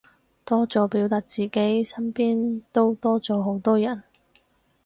多咗表達自己，身邊都多咗好多人